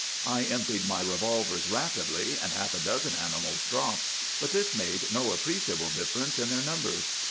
I emptied my revolvers rapidly, and half a dozen animals dropped; but this made no appreciable difference in their numbers.